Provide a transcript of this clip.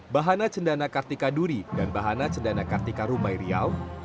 bahana cendana kartika duri dan bahana cendana kartika rumai riau